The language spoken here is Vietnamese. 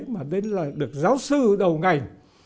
mà đến là được giáo sư đầu ngày